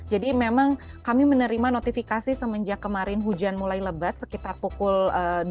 jadi memang kami menerima notifikasi semenjak kemarin hujan mulai lebat sekitar pukul dua belas lebih lima puluh menit sekitar jam satu siang kemarin